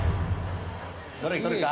どれ取るか？